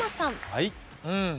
はい。